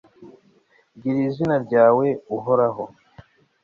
girira izina ryawe, uhoraho